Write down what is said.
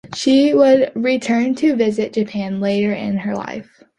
She would return to visit Japan later in her life.